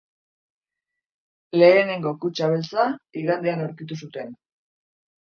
Lehenengo kutxa beltza igandean aurkitu zuten.